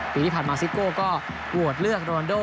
ปีที่ผ่านมาซิโก้ก็โหวตเลือกโรนโด